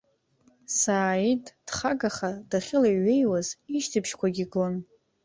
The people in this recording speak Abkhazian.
Сааид, дхагаха дахьылеиҩеиуаз, ишьҭыбжьқәагьы гон.